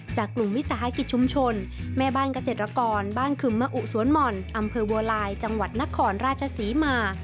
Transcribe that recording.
จากกลุ่มวิสาหกิจชุมชนแม่บ้านเกษตรกรบ้านขึมมะอุสวนหม่อนอำเภอบัวลายจังหวัดนครราชศรีมา